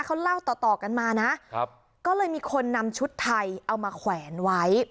เขาเล่าต่อต่อกันมานะครับก็เลยมีคนนำชุดไทยเอามาแขวนไว้